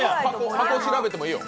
箱調べてもいいよ。